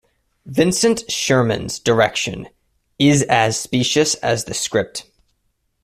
Vincent Sherman's direction is as specious as the script.